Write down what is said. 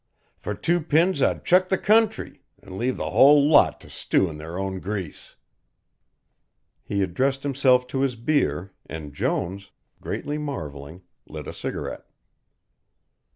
For two pins I'd chuck the country, and leave the whole lot to stew in their own grease." He addressed himself to his beer, and Jones, greatly marvelling, lit a cigarette.